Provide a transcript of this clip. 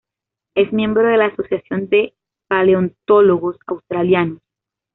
Es miembro de la Asociación de Paleontólogos Australianos.